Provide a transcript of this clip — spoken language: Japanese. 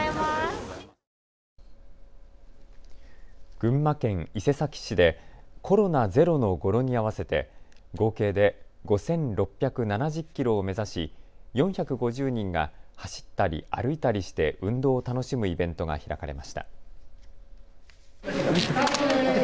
群馬県伊勢崎市でコロナゼロの語呂に合わせて合計で５６７０キロを目指し４５０人が走ったり歩いたりして運動を楽しむイベントが開かれました。